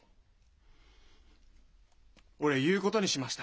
俺言うことにしました。